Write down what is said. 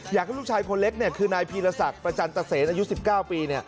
อยากให้ลูกชายคนเล็กคือนายพีรศักดิ์ประจันตเซนอายุ๑๙ปี